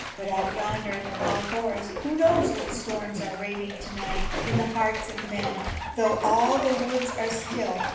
"But out yonder in the wide forest, who knows what storms are raving to night in the hearts of men, though all the woods are still?